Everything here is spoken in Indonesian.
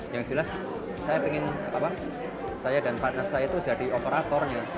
yang jelas saya dan partner saya itu jadi operatornya